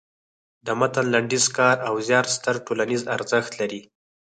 د متن لنډیز کار او زیار ستر ټولنیز ارزښت لري.